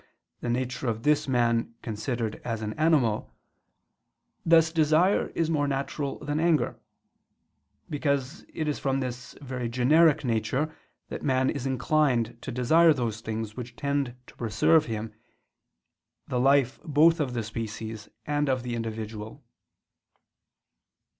the nature of this man considered as an animal; thus desire is more natural than anger; because it is from this very generic nature that man is inclined to desire those things which tend to preserve in him the life both of the species and of the individual.